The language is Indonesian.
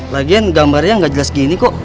lagian gambarnya nggak jelas gini kok